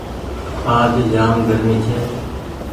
آج جآم گرمي ڇي۔